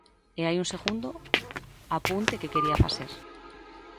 E hai un segundo apunte que quería facer.